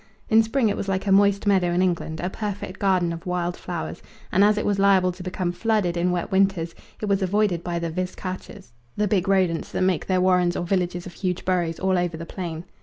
In spring it was like a moist meadow in England, a perfect garden of wild flowers, and as it was liable to become flooded in wet winters it was avoided by the vizcachas, the big rodents that make their warrens or villages of huge burrows all over the plain.